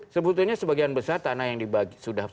sebetulnya sebagian besar tanah yang sudah